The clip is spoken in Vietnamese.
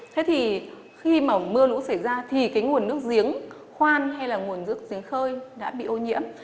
thế thì khi mà mưa lũ xảy ra thì cái nguồn nước giếng khoan hay là nguồn nước giếng khơi đã bị ô nhiễm